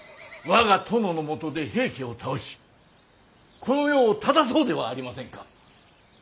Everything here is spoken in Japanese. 我が殿のもとで平家を倒しこの世を正そうではありませんか。